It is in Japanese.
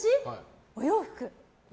お洋服！